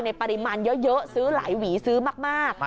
ปริมาณเยอะซื้อหลายหวีซื้อมาก